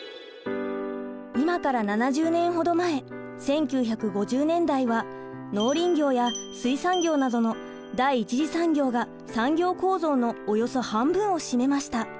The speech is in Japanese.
今から７０年ほど前１９５０年代は農林業や水産業などの第１次産業が産業構造のおよそ半分を占めました。